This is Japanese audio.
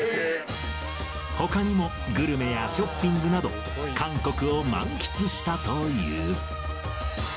ほかにも、グルメやショッピングなど、韓国を満喫したという。